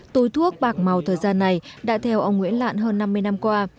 túi thuốc bạc màu thời gian này đã theo ông nguyễn lạn hơn năm mươi năm qua